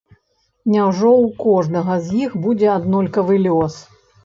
Няўжо ў кожнага з іх будзе аднолькавы лёс?